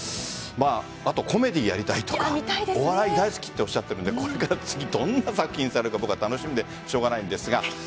あと、コメディーやりたいとかお笑い大好きとおっしゃってるんでこれから次どんな作品されるのか楽しみでしょうがないですが。